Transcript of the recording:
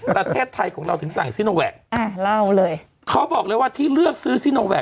ประเทศไทยของเราถึงสั่งซิโนแวคอ่าเล่าเลยเขาบอกเลยว่าที่เลือกซื้อซิโนแวค